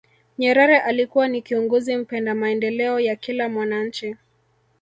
nyerere alikuwa ni kiongozi mpenda maendeleo ya kila mwananchi